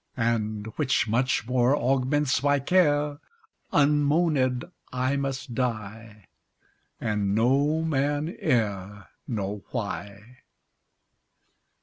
And (which much more augments my care) Unmoanèd I must die, And no man e'er Know why.